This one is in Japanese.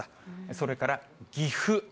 それから岐阜。